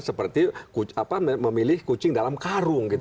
seperti memilih kucing dalam karung gitu